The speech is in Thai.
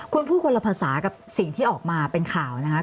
คุณพูดคนละภาษากับสิ่งที่ออกมาเป็นข่าวนะคะ